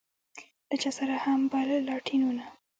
له چا سره هم بل لاټينونه.